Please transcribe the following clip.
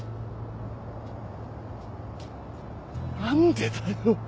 何でだよ。